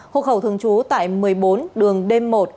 hộ khẩu thường trú tại một mươi bốn đường đêm một